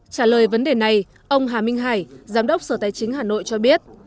trả lời vấn đề này ông hà minh hải giám đốc sở tài chính hà nội cho biết